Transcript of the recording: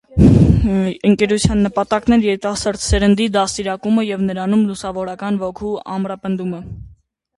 Ընկերության նպատակն էր երիտասարդ սերնդի դաստիարակումը և նրանում լուսավորական ոգու ամրապնդումը։